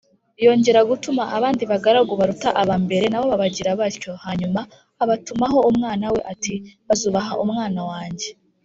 yongera gutuma abandi bagaragu baruta aba mbere, na bo babagira batyo hanyuma abatumaho umwana we ati ‘bazubaha umwana wanjye’